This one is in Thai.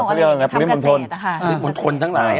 ชะเชิงเตรียดเลย